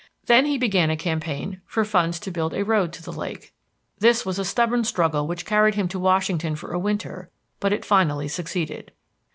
Then he began a campaign for funds to build a road to the lake. This was a stubborn struggle which carried him to Washington for a winter, but it finally succeeded.